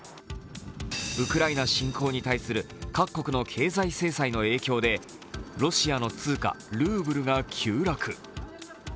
ウクライナ侵攻に対する各国の経済制裁の影響でロシアの通貨、ルーブルが急落。